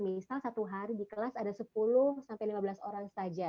misal satu hari di kelas ada sepuluh sampai lima belas orang saja